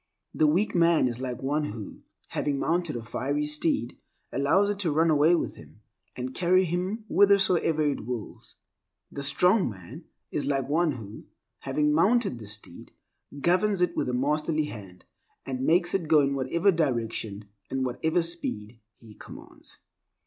The weak man is like one who, having mounted a fiery steed, allows it to run away with him, and carry him withersoever it wills. The strong man is like one who, having mounted the steed, governs it with a masterly hand, and makes it go in whatever direction, and at whatever speed he commands.